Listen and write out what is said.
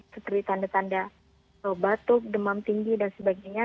seperti tanda tanda batuk demam tinggi dan sebagainya